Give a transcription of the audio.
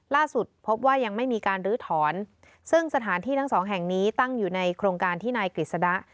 พบว่ายังไม่มีการลื้อถอนซึ่งสถานที่ทั้งสองแห่งนี้ตั้งอยู่ในโครงการที่นายกฤษฎะ